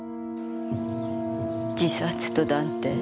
自殺と断定？